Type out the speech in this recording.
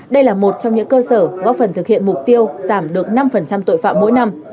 đây là một trong những cơ sở góp phần thực hiện mục tiêu giảm được năm tội phạm mỗi năm